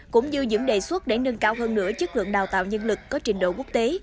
cũng như những đề xuất để nâng cao hơn nữa chất lượng đào tạo nhân lực có trình độ quốc tế